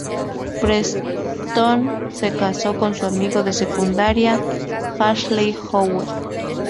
Preston se casó con su amigo de secundaria Ashley Howe.